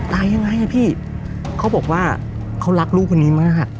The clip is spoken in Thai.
ตายยังไงอ่ะพี่เขาบอกว่าเขารักลูกคนนี้มาก